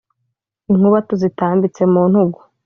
inkuba tuzitambitse mu ntugu,